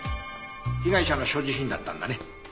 被害者の所持品だったんだね。